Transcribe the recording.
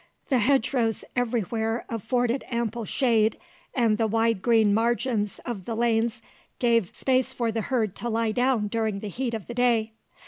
The hedge rows every where afforded ample shade, and the wide green margins of the lanes gave space for the herd to lie down during the heat of the day.